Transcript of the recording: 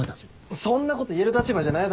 そんなこと言える立場じゃないだろ。